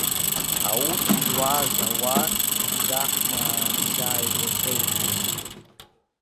Аус зуаз ауаа зынӡа ҳнарзааигәахеит.